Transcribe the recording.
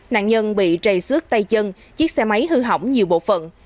nạn nhân bị trầy xước tay chân chiếc xe máy hư hỏng nhiều bộ phận